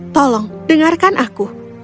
tolong dengarkan aku